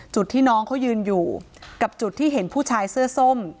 จุดที่น้องเขายืนอยู่กับจุดที่เห็นผู้ชายเสื้อส้ม